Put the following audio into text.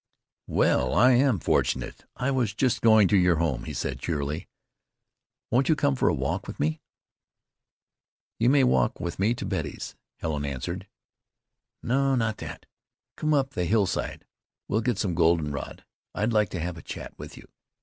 "Well, I am fortunate. I was just going to your home," he said cheerily. "Won't you come for a walk with me?" "You may walk with me to Betty's," Helen answered. "No, not that. Come up the hillside. We'll get some goldenrod. I'd like to have a chat with you.